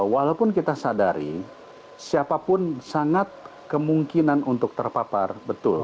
walaupun kita sadari siapapun sangat kemungkinan untuk terpapar betul